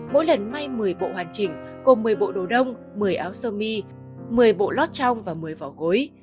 mỗi lần may một mươi bộ hoàn chỉnh gồm một mươi bộ đồ đông một mươi áo sơ mi một mươi bộ lót trong và một mươi vỏ gối